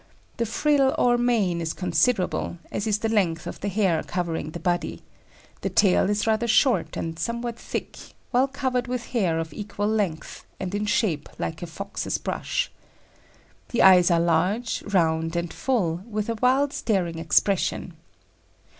The frill or mane is considerable, as is the length of the hair covering the body; the tail is rather short and somewhat thick, well covered with hair of equal length, and in shape like a fox's brush. The eyes are large, round, and full, with a wild staring expression.